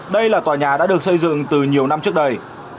đây là tòa nhà đã được xây dựng từ nhiều năm trước đây